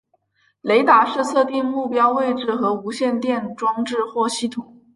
雷达是测定目标位置的无线电装置或系统。